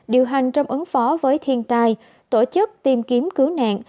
điều hành trong ứng phó với thiên tai tổ chức tìm kiếm cứu nạn